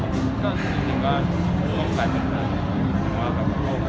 ก็รู้จักว่า